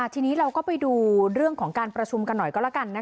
ทีนี้เราก็ไปดูเรื่องของการประชุมกันหน่อยก็แล้วกัน